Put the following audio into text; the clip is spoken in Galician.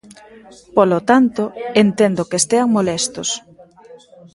Polo tanto, entendo que estean molestos.